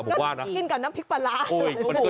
มันน้ำพริกปลาร้า